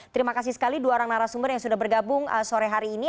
terima kasih sekali dua orang narasumber yang sudah bergabung sore hari ini